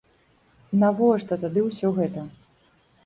Навошта тады ўсё гэта?